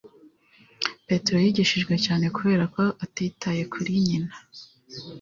Petero yigishijwe cyane kubera ko atitaye kuri nyina